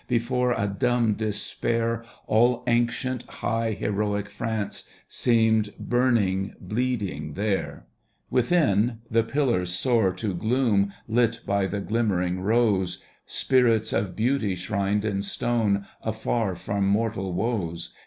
Before a dumb despair All ancient, high, heroic France Seemed binning, bleeding there. Digitized by Google AT RHEIMS 23 Within, the pillars soar to gloom Lit by the glimmering Rose ; Spirits of beauty shrined in stone Afar from mortal woes.